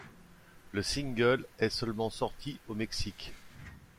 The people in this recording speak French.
Le single est seulement sorti au Mexique.